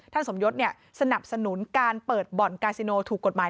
ท่านสมยศเนี่ยสนับสนุนการเปิดบอลกาซิโนถูกกฎหมาย